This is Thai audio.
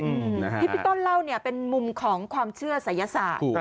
ที่พี่ต้นเล่าเนี่ยเป็นมุมของความเชื่อศัยศาสตร์